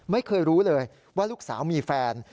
ไม่เคยรู้เลยว่าลูกสาวมีแฟน